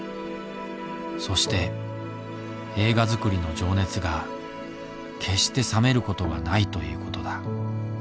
そして映画作りの情熱が決して冷めることがないということだ。